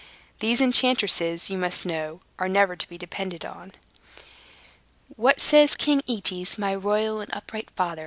These enchantresses, you must know, are never to be depended upon. "What says King Aetes, my royal and upright father?"